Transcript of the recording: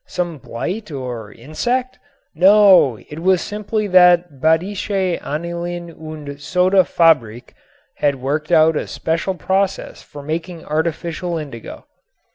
Some blight or insect? No, it was simply that the Badische Anilin und Soda Fabrik had worked out a practical process for making artificial indigo.